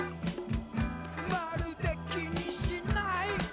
「まるで気にしない」